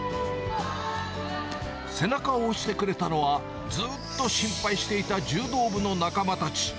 背中を押してくれたのは、ずっと心配していた柔道部の仲間たち。